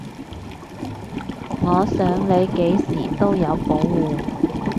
我想你幾時都有保護